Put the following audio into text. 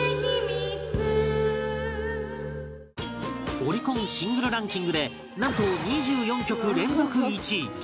オリコンシングルランキングでなんと２４曲連続１位